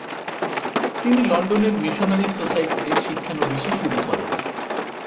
তিনি লন্ডনের মিশনারি সোসাইটিতে শিক্ষানবিশি শুরু করেন।